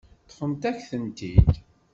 Ṭṭfent-ak-tent-id.